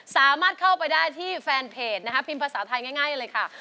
สามารถเข้าไปได้ที่แฟนเพจนะคะพิมพ์ภาษาไทยง่ายเลยค่ะ